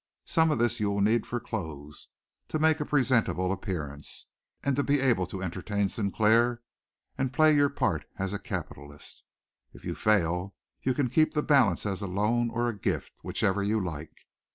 Some of this you will need for clothes, to make a presentable appearance, and to be able to entertain Sinclair, and play your part as a capitalist. If you fail, you can keep the balance as a loan or a gift, whichever you like.